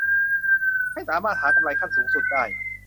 ไม่สามารถหากำไรขั้นสูงสุดได้